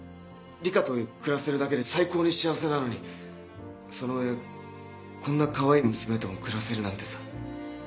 梨花と暮らせるだけで最高に幸せなのにその上こんなかわいい娘とも暮らせるなんてさ。